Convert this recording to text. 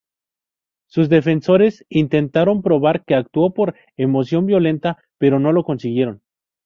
Sus defensores intentaron probar que actuó por emoción violenta pero no lo consiguieron.